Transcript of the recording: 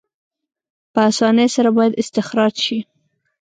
په اسانۍ سره باید استخراج شي.